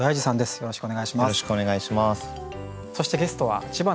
よろしくお願いします。